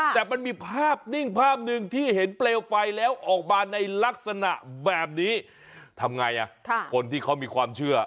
แต่มันมีภาพนิ่งภาพหนึ่งที่เห็นเปลวไฟแล้วออกมาในลักษณะแบบนี้ทำไงคนที่เขามีความเชื่อ